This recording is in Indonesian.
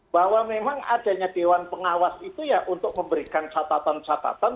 bahwa memang adanya dewan pengawas itu ya untuk memberikan catatan catatan